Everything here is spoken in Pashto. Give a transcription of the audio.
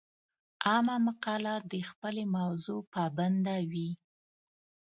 عامه مقاله د خپلې موضوع پابنده وي.